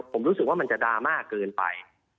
ผมรู้สึกว่ามันจะดราม่าเกินไป